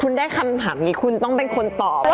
คุณได้คำถามคุณต้องเป็นคนตอบ